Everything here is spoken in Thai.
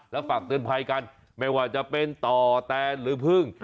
แล้วฝากเตือนภัยกันไม่ว่าจะเป็นต่อแตนหรือพึ่ง